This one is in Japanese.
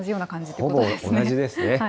ほぼ同じですね。